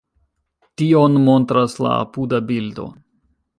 Tion montras la apuda bildo.